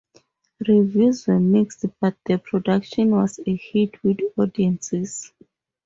Reviews were mixed, but the production was a hit with audiences.